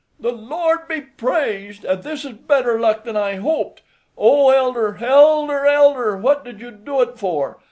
"The Lord be praised, and this is better luck than I hoped! Oh, elder! elder! elder! what did you do it for?